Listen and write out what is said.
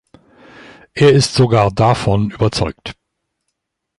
Er ist sogar davon überzeugt.